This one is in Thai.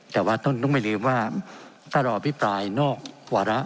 แต่ว่าต้องไม่ลืมว่าถ้าเราอภิปรายนอกวาระ